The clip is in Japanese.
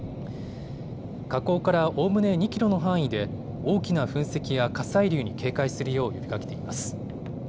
火口からおおむね２キロの範囲で大きな噴石や火砕流に警戒するよう呼びかけています。